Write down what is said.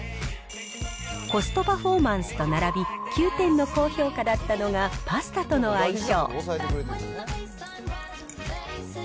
コストパフォーマンスと並び、９点の高評価だったのが、パスタとの相性。